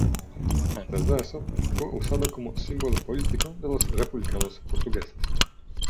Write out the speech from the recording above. Antes de eso, fue usado como símbolo político de los republicanos portugueses.